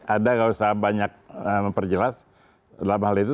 ada nggak usah banyak memperjelas dalam hal itu